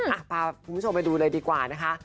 พาคุณผู้ชมไปดูเลยดีกว่านะคะ